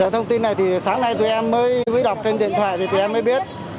thông tin này thì sáng nay tụi em mới đọc trên điện thoại thì tụi em mới biết